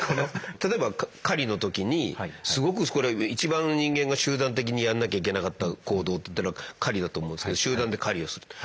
例えば狩りの時にすごくこれは一番人間が集団的にやんなきゃいけなかった行動っていったら狩りだと思うんですけど集団で狩りをすると。